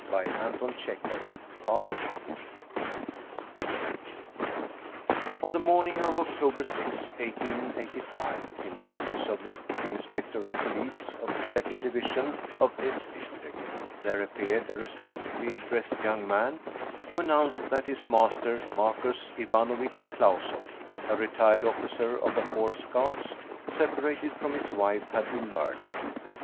156 Anton Chekhoff The Safety Match ()N the morning of October 6, 1885, in the office of the Inspector of Police of the second division of S District, there appeared a respectably dressed young man, who announced that his master, Marcus Ivanovitch Klau soff, a retired officer of the Horse Guards, separated from his wife, had been murdered.